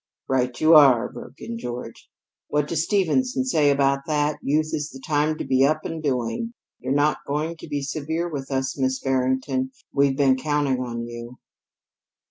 "Right you are," broke in George. "What does Stevenson say about that? 'Youth is the time to be up and doing.' You're not going to be severe with us, Miss Barrington? We've been counting on you."